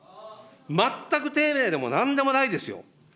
全く丁寧でもなんでもないですよ。